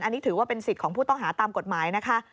อันนี้ถือว่าเป็นสิทธิ์ของผู้ต้องหาตามกฎหมายนะคะ